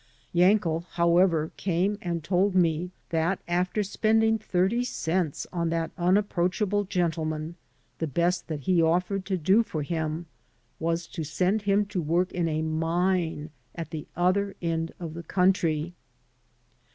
Yankel, however, came and told me that after spending thirty cents on that unapproachable gentleman the best that he offered to do for him was to send him to work in amine at the other end of the country.